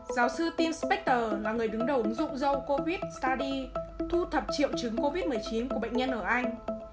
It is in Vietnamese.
giáo sư tim spector là người đứng đầu ứng dụng dâu covid study thu thập triệu chứng covid một mươi chín của bệnh nhân ở anh